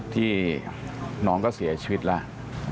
ที่น้องก็เสียชีวิตแล้ว